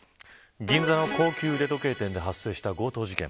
銀座の高級腕時計店で発生した強盗事件。